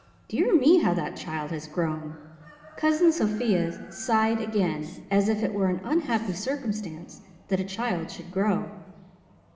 Dear me, how that child has grown!" Cousin Sophia sighed again, as if it were an unhappy circumstance that a child should grow.